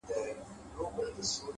ښه نوم په کلونو جوړیږي،